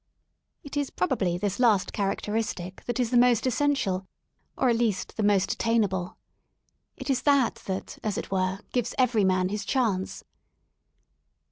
i' ' It is probably this last characteristic that is the most j! , essential, or, at least, the most attainable. It is that j that, as it were, gives every man his chance.